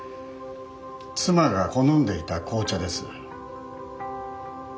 妻が好んでいた紅茶です。